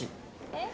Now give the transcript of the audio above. えっ？